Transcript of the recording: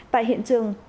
tại hiện trường